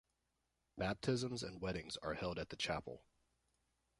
Baptisms and weddings are held at the chapel.